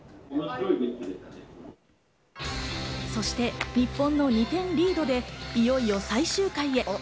そして日本の２点リードでいよいよ最終回へ。